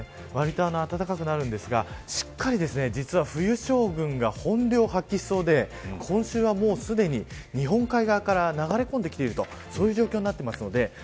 わりと暖かくなるんですがしっかりと実は冬将軍が本領を発揮しそうで今週は、もうすでに日本海側から流れ込んできているとそういう状況になっています。